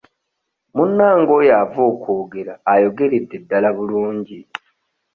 Munnange oyo ava okwogera ayogeredde ddala bulungi.